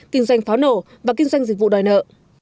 kinh doanh pháo nổ và kinh doanh dịch vụ đòi nợ